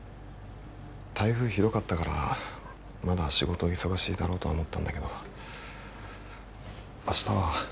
台風ひどかったからまだ仕事忙しいだろうとは思ったんだけど明日は。